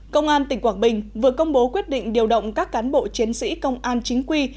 công an tỉnh quảng bình vừa công bố quyết định điều động các cán bộ chiến sĩ công an chính quy